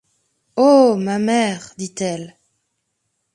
Ô ma mère! dit-elle.